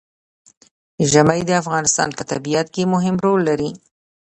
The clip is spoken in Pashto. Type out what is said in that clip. ژمی د افغانستان په طبیعت کې مهم رول لري.